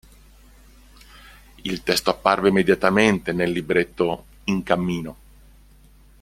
Il testo apparve immediatamente nel libretto "In cammino.